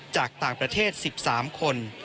จากต่างประเทศ๑๓คน